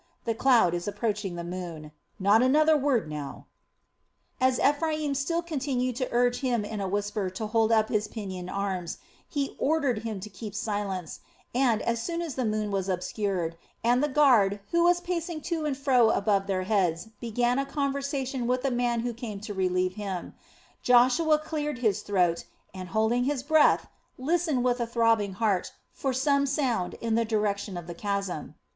The cloud is approaching the moon, not another word now!" As Ephraim still continued to urge him in a whisper to hold up his pinioned arms, he ordered him to keep silence and, as soon as the moon was obscured and the guard, who was pacing to and fro above their heads began a conversation with the man who came to relieve him, Joshua cleared his throat and, holding his breath, listened with a throbbing heart for some sound in the direction of the chasm.